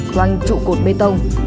quanh trụ cột bê tông